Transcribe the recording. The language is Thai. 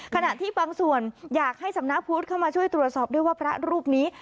ขณะที่บางส่วนอยากให้สำนักพุทธเข้ามาช่วยตรวจสอบด้วยว่าพระรูปนี้